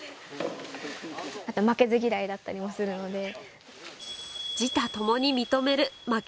負けず嫌いだったりもするので。